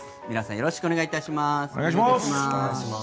よろしくお願いします。